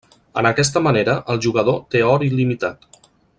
En aquesta manera el jugador té or il·limitat.